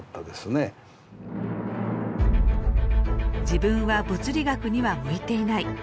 自分は物理学には向いていない。